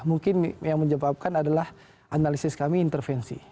mungkin yang menyebabkan adalah analisis kami intervensi